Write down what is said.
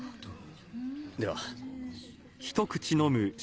では。